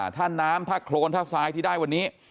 ถ้าน้ำถ้าโครนถ้าทรายที่ได้วันนี้